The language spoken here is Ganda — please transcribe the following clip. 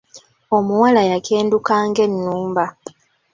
Omuwala yakenduka ng'ennumba.